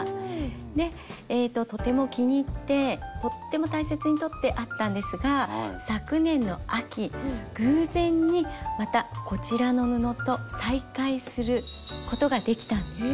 でとても気に入ってとっても大切にとってあったんですが昨年の秋偶然にまたこちらの布と再会することができたんです。